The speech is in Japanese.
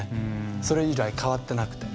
それ以来、変わっていなくて。